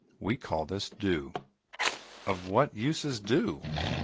We call this dew. Of what use is dew?